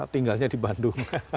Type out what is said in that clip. tinggalnya di bandung